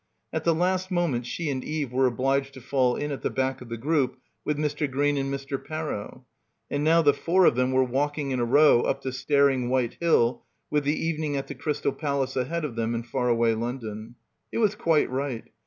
At the last moment she and Eve were obliged to fall in at the back of the group with Mr. Green and Mr. Parrow, and now the four of them were walking in a row up the staring white hill with the evening at the Crystal Palace ahead of them in far away London. It was quite right.